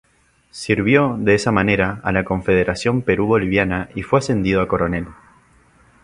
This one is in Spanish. Sirvió, de esa manera, a la Confederación Perú-Boliviana y fue ascendido a coronel.